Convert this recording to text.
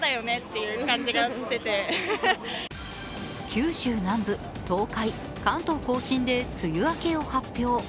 九州南部、東海、関東甲信で梅雨明けを発表。